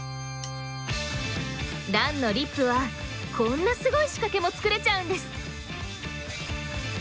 ランのリップはこんなすごい仕掛けも作れちゃうんです。